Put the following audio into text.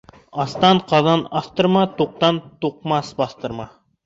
Астан ҡаҙан аҫтырма, туҡтан туҡмас баҫтырма.